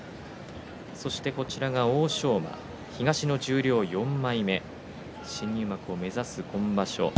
そして、欧勝馬東の十両４枚目新入幕を目指す今場所。